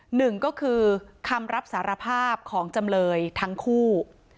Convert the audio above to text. หนึ่งก็คือคำรับสารภาพของจำเลยทั้งคู่